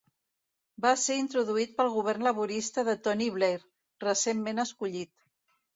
Va ser introduït pel Govern laborista de Tony Blair, recentment escollit.